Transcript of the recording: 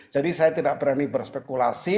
jadi saya tidak berani berspekulasi